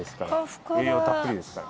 栄養たっぷりですから。